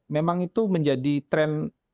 memang itu menjadi trend